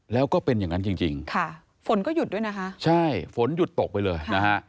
แล้วก็เป็นอย่างนั้นจริงจริงค่ะฝนก็หยุดด้วยนะคะใช่ฝนหยุดตกไปเลยนะฮะ